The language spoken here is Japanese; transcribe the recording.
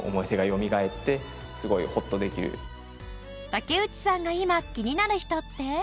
竹内さんが今気になる人って？